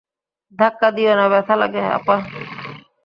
ধাক্কা দিও না ব্যাথা লাগে, আপা।